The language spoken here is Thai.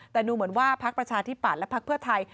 แต่ดูเหมือนว่าพักประชาธิปัตย์และพักเพื่อไทย